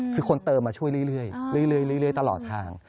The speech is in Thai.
คือคนเติมมาช่วยเรื่อยตลอดทาง